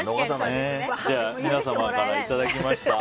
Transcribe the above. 皆様からいただきました